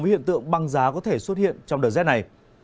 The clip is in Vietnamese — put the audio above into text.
hiện tượng băng giá có thể xuất hiện trong đợt rét này